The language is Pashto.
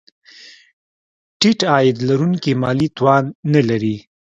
ټیټ عاید لرونکي مالي توان نه لري.